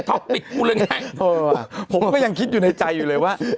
ผมก็ยังคิดอยู่ในใจจริงเลยว่า